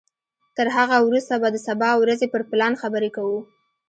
تر هغه وروسته به د سبا ورځې پر پلان خبرې کوو.